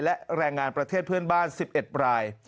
และแรงงานประเทศเพื่อนบ้าน๑๑ราย